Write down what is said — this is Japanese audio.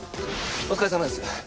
お疲れさまです。